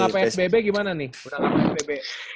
ini tengah psbb gimana nih